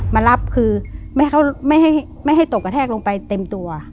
มารับคือไม่ให้ตกกระแทกลงไปเต็มตัว